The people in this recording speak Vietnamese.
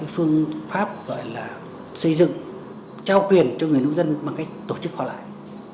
phương pháp gọi là xây dựng trao quyền cho người nông dân bằng cách tổ chức họ lại